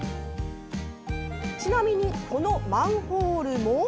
ちなみに、このマンホールも。